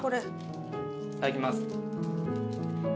いただきます。